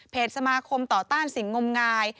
เพจสมาคมต่อต้านศิลป์งงาย